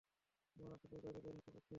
তোমরা আসলেই বাইরে বের হতে চাচ্ছো?